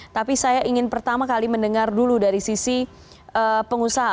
tapi saya ingin pertama kali mendengar dulu dari sisi pengusaha